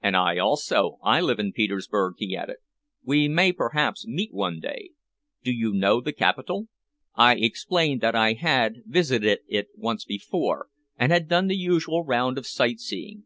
"And I also. I live in Petersburg," he added. "We may perhaps meet one day. Do you know the capital?" I explained that I had visited it once before, and had done the usual round of sight seeing.